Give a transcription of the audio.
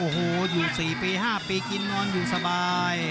อ๋อโฮอยู่สี่ปีห้านะติดหนอนสบาย